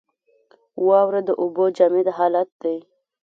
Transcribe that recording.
واوره د اوبو جامد حالت دی.